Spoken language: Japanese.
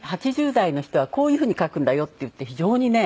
「８０代の人はこういうふうに描くんだよ」って言って非常にね。